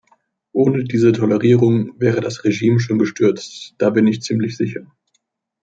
Ohne diese Tolerierung wäre das Regime schon gestürzt, da bin ich ziemlich sicher.